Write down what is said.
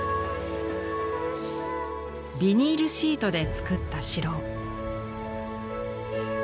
ビニールシートで作った城。